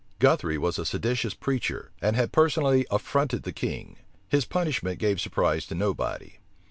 Guthry was a seditious preacher, and had personally affronted the king: his punishment gave surprise to nobody.